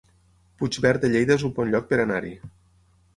Puigverd de Lleida es un bon lloc per anar-hi